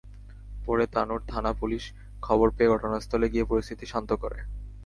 পরে তানোর থানা পুলিশ খবর পেয়ে ঘটনাস্থলে গিয়ে পরিস্থিতি শান্ত করে।